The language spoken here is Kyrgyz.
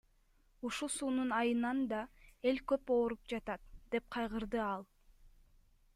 Ушу суунун айынан да эл көп ооруп жатат, — деп кайгырды ал.